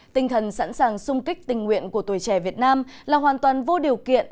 tinh thần sẵn sàng sung kích tình nguyện của tuổi trẻ việt nam là hoàn toàn vô điều kiện